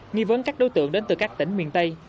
nghi vấn các đối tượng đến từ các tỉnh miền tây